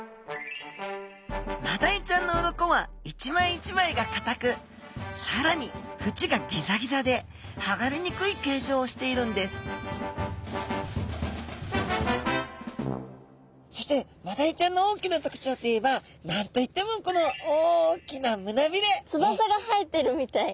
マダイちゃんの鱗は一枚一枚がかたくさらにフチがギザギザではがれにくい形状をしているんですそしてマダイちゃんの大きな特徴といえば何と言ってもこの大きなつばさが生えてるみたい。